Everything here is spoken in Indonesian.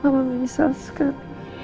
mama menyesal sekali